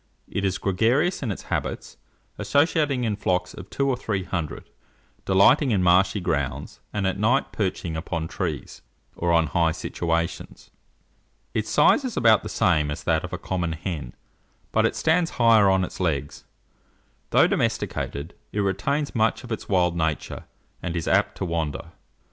It is gregarious in its habits, associating in flocks of two or three hundred, delighting in marshy grounds, and at night perching upon trees, or on high situations. Its size is about the same as that of a common hen, but it stands higher on its legs. Though domesticated, it retains much of its wild nature, and is apt to wander.